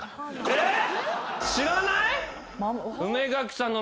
えっ？